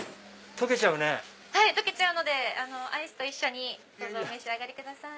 溶けちゃうのでアイスと一緒にどうぞお召し上がりください。